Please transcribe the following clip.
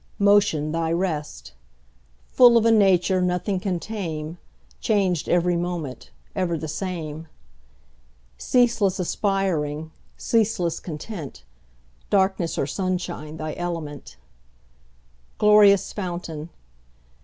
Motion thy rest; Full of a nature Nothing can tame, Changed every moment, Ever the same; Ceaseless aspiring, Ceaseless content, Darkness or sunshine Thy element; Glorious fountain.